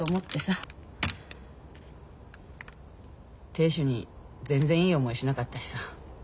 亭主に全然いい思いしなかったしさ。